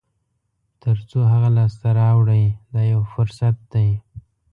تر څو هغه لاسته راوړئ دا یو فرصت دی.